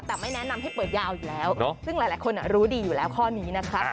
แต่ไม่แนะนำให้เปิดยาวอยู่แล้วซึ่งหลายคนรู้ดีอยู่แล้วข้อนี้นะคะ